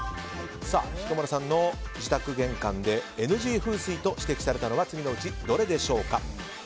彦摩呂さんの自宅玄関でＮＧ風水と指摘されたのは次のうちどれでしょうか。